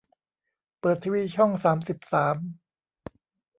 เปิดทีวีช่องสามสิบสาม